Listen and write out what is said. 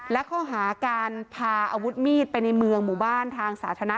และข้อหาการพาอาวุธมีดไปในเมืองหมู่บ้านทางสาธารณะ